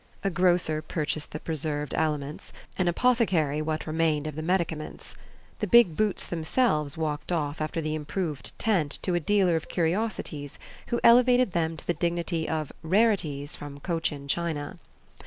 A grocer purchased the preserved aliments; an apothecary what remained of the medicaments. The big boots themselves walked off after the improved tent to a dealer of curiosities, who elevated them to the dignity of "rarities from Cochin China."